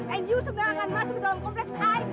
and you sebenarnya akan masuk ke dalam kompleks i